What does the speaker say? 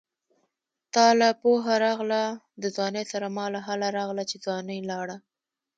تاله پوهه راغله د ځوانۍ سره ماله هله راغله چې ځواني لاړه